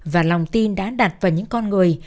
và lòng tin đã đặt vào những con người